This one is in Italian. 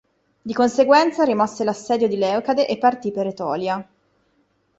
Di conseguenza, rimosse l'assedio di Leucade e partì per Etolia.